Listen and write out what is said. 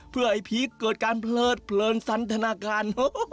เพื่อไอ้พีคเกิดการเพลิดเพลินสันธนาคาร